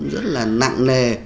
rất là nặng nề